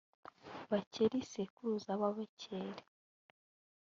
bekeri sekuruza w’ababekeri;